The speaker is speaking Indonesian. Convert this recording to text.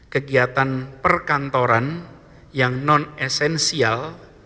kegiatan perkantoran yang non esensial